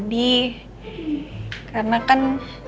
di bekerja dong